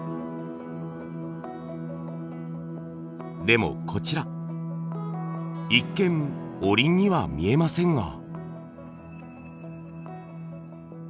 でもこちら一見おりんには見えませんが。